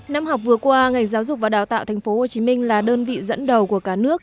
năm học vừa qua ngành giáo dục và đào tạo tp hcm là đơn vị dẫn đầu của cả nước